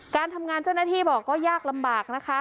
การทำงานเจ้าหน้าที่บอกก็ยากลำบากนะคะ